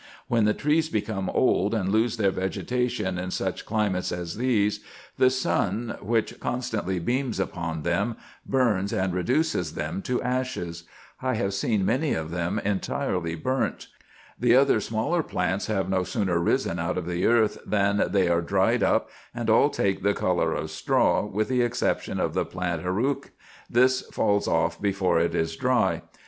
When the trees become old, and lose their vegetation in such climates as these, the sun, which constantly beams upon them, burns and reduces them to ashes. I have seen many of them entirely burnt. The other smaller plants have no sooner risen out of the earth than they are dried up, and all take the colour of straw, with the exception of the plant harack; this falls off before it is dry.